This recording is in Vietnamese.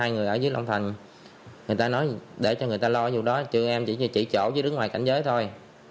hai người ở dưới long thành người ta nói để cho người ta lo vụ đó chứ em chỉ chỉ chỗ chứ đứng ngoài cảnh giới thôi